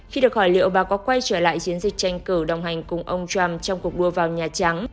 khi được hỏi liệu bà có quay trở lại chiến dịch tranh cử đồng hành cùng ông trump trong cuộc đua vào nhà trắng